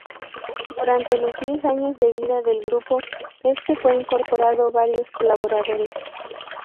Durante los diez años de vida del grupo, este fue incorporando varios colaboradores.